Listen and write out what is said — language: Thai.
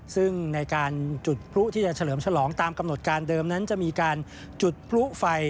ซึ่งในการจุดพลุที่จะเฉลิมฉลองตามกำหนดการเดิมนั้นจะมีการจุดพลุไฟ